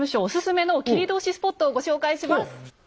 お薦めの切通スポットをご紹介します。